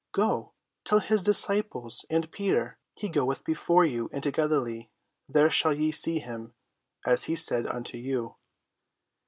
Go, tell his disciples and Peter, He goeth before you into Galilee: there shall ye see him, as he said unto you."